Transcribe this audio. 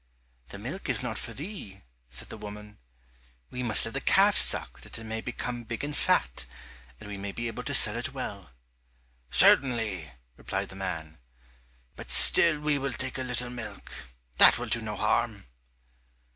"The milk is not for thee," said the woman, "we must let the calf suck that it may become big and fat, and we may be able to sell it well." "Certainly," replied the man, "but still we will take a little milk; that will do no harm."